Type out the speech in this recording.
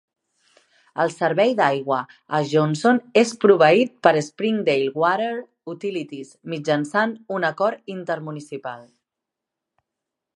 El servei d'aigua a Johnson és proveït per Springdale Water Utilities mitjançant un acord intermunicipal.